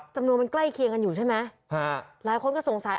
จำนวนมันใกล้เคียงกันอยู่ใช่ไหมฮะหลายคนก็สงสัย